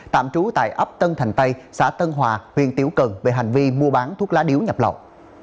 tạm trú tại ấp tân thành tây xã tân hòa huyện tiểu cần về hành vi mua bán thuốc lá điếu nhập lộng